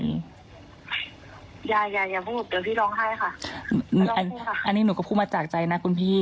อันนี้อย่าอย่าพูดเดี๋ยวพี่ร้องไห้ค่ะอันนี้หนูก็พูดมาจากใจนะคุณพี่